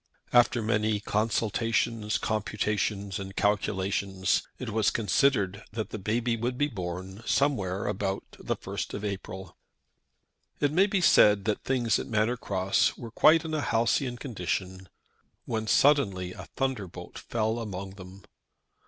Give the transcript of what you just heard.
After many consultations, computations, and calculations, it was considered that the baby would be born somewhere about the 1st of April. It may be said that things at Manor Cross were quite in a halcyon condition, when suddenly a thunderbolt fell among them.